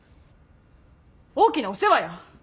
大きなお世話や。